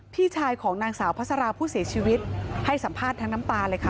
พี่ชายของนางสาวพัสราผู้เสียชีวิตให้สัมภาษณ์ทั้งน้ำตาเลยค่ะ